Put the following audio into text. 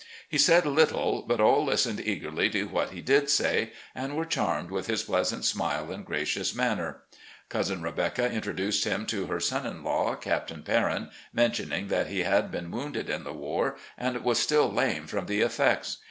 He said little, but all listened eagerly to what he did say, and were charmed with his pleasant smile and gracious manner. "Cousin Rebecca" introduced him to her son in law. Captain Perrin, mentioning that he had been wounded in the war and was still lame from the effects.